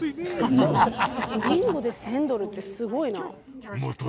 ビンゴで１，０００ドルってすごいな。